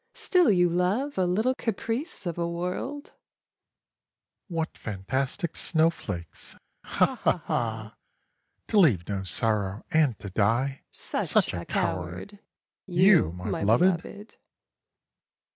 Still you love a little caprice of world ? What fantastic snow flakes, ha ! ha ! ha ! To leave no sorrow and to die ! Such a coward, you my beloved